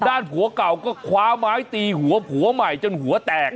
ผัวเก่าก็คว้าไม้ตีหัวผัวใหม่จนหัวแตก